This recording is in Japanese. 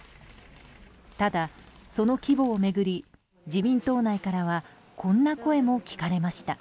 ただ、その規模を巡り自民党内からはこんな声も聞かれました。